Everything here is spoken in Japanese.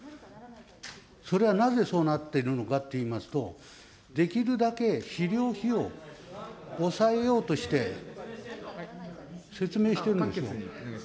それはなぜそうなってるのかっていいますと、できるだけ肥料費用、抑えようとして、説明してるんですよ。